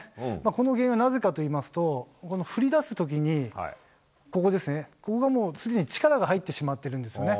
この原因はなぜかといいますと、この振りだすときに、ここですね、ここがもう常に力が入ってしまってるんですよね。